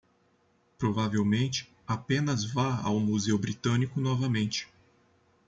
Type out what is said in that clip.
Provavelmente apenas vá ao Museu Britânico novamente